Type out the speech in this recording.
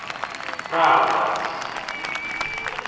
pravas